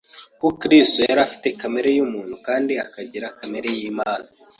kuko Kristo yari afite kamere muntu, kandi akagira kamere y’Imana,